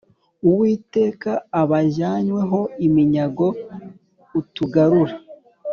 Uwiteka abajyanywe ho iminyago utugarure